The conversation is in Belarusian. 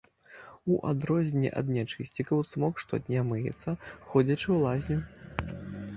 У адрозненні ад нячысцікаў цмок штодня мыецца, ходзячы ў лазню.